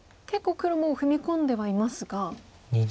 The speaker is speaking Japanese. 結構黒も踏み込んではいますが。